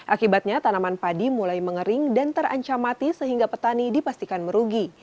akibatnya tanaman padi mulai mengering dan terancam mati sehingga petani dipastikan merugi